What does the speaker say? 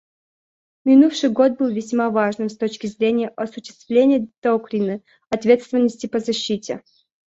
Минувший год был весьма важным с точки зрения осуществления доктрины «ответственности по защите».